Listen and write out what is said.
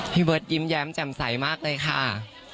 พี่เบิร์ตยิ้มแย้มแจ่มใสมากเลยค่ะ